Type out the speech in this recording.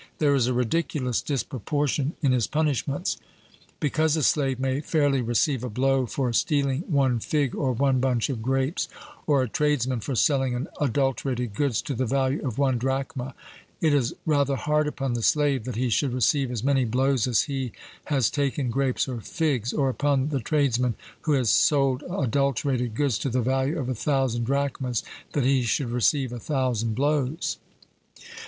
There is a ridiculous disproportion in his punishments. Because a slave may fairly receive a blow for stealing one fig or one bunch of grapes, or a tradesman for selling adulterated goods to the value of one drachma, it is rather hard upon the slave that he should receive as many blows as he has taken grapes or figs, or upon the tradesman who has sold adulterated goods to the value of a thousand drachmas that he should receive a thousand blows.